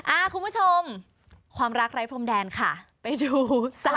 อ่าคุณผู้ชมความรักไร้พรมแดนค่ะไปดูสาวคนนี้